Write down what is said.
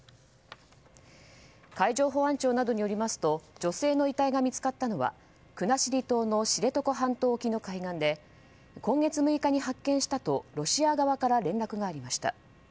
海上保安庁などによりますと女性の遺体が見つかったのは国後島の知床半島側の海岸で今月６日に発見したとロシア側から連絡がありました。